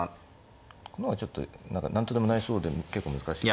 この方がちょっと何か何とでもなりそうで結構難しいか。